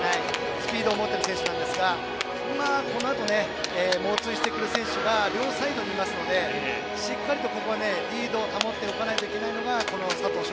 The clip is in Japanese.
スピードを持っている選手ですがこのあと猛追してくる選手が両サイドにいますのでしっかりとリードを保っておかないといけないのが佐藤翔